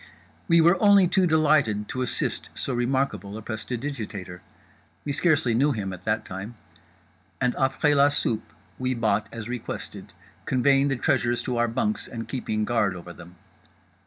We were only too delighted to assist so remarkable a prestidigitator—we scarcely knew him at that time—and après la soupe we bought as requested, conveying the treasures to our bunks and keeping guard over them.